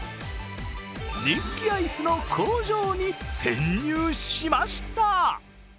人気アイスの工場に潜入しました。